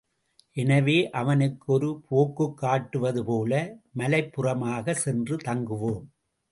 எனவே அவனுக்கு ஒரு போக்குக் காட்டுவதுபோல மலைப்புறமாகச் சென்று தங்குவோம்.